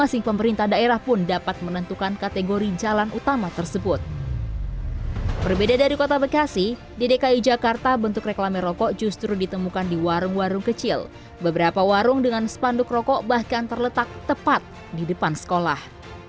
spanduk rokok bahkan terletak tepat di depan sekolah